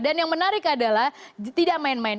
dan yang menarik adalah tidak main main